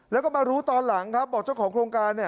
แล้วก็มารู้ตอนหลังครับบอกเจ้าของโครงการ